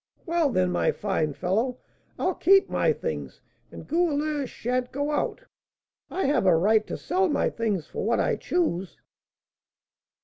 "Well, then, my fine fellow, I'll keep my things, and Goualeuse sha'n't go out. I have a right to sell my things for what I choose."